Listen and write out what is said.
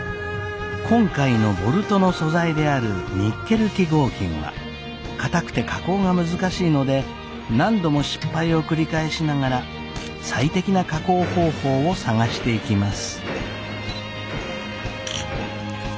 今回のボルトの素材であるニッケル基合金は硬くて加工が難しいので何度も失敗を繰り返しながら最適な加工方法を探していきます。